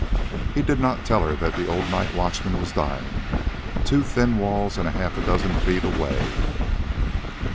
He did not tell her that the old night watchman was dying, two thin walls and half a dozen feet away.